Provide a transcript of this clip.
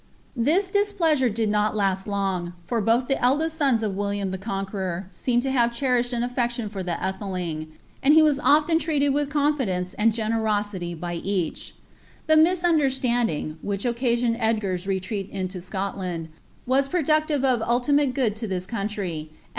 This displeasure did not lost long, for both the eldest soni of William the Conqueror seem lo have cherished an afiection for the Aihc ling, and he was often treated with confidence and generosity by a^ The misunderstanding, which occasioned Edgar's retreat into Ssutlaadr " 'Seethe precoflinB Mtmmi, Life o7 MaUIJn ofFlnndM*!